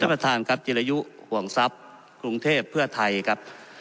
ประธานครับจิรยุห่วงทรัพย์กรุงเทพเพื่อไทยครับ